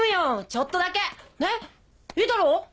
ちょっとだけねっいいだろ？